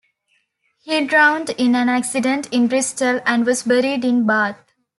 He drowned in an accident in Bristol and was buried in Bath.